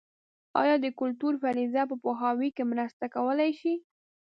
ایا د کلتور فرضیه په پوهاوي کې مرسته کولای شي؟